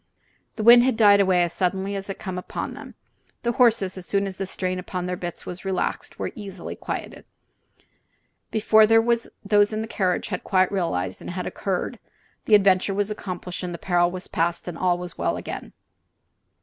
The wind had died away as suddenly as it came upon them. The horses, as soon as the strain upon their bits was relaxed, were easily quieted. Before those in the carriage had quite realized what had occurred the adventure was accomplished, the peril was past, and all was well again.